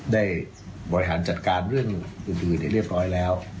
ได้บริหารจัดการเรื่องอื่นอื่นอย่างเรียบร้อยแล้ว